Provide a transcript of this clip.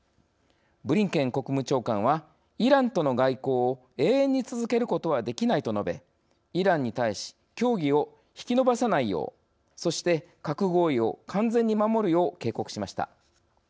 ブリンケン国務長官は「イランとの外交を永遠に続けることはできない」と述べ、イランに対し協議を引き延ばさないようそして、核合意を完全に守るよう警告しました。